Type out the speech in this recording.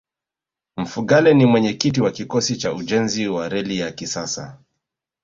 mfugale ni mwenyekiti wa kikosi cha ujenzi wa reli ya kisasa